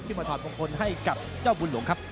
มาถอดมงคลให้กับเจ้าบุญหลวงครับ